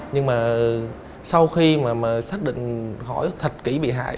nhưng mà sau khi mà xác định hỏi thật kỹ bị hại